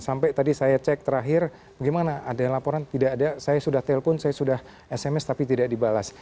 sampai tadi saya cek terakhir bagaimana ada yang laporan tidak ada saya sudah telpon saya sudah sms tapi tidak dibalas